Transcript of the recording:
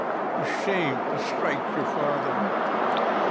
“For shame! To strike your father